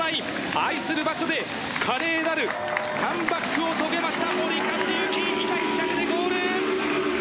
愛する場所で華麗なるカムバックを遂げました森且行、今、１着でゴール！